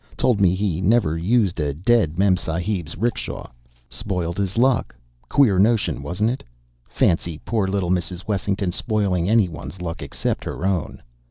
'Told me he never used a dead Memsahib's 'rickshaw. 'Spoiled his luck. Queer notion, wasn't it? Fancy poor little Mrs. Wessington spoiling any one's luck except her own!"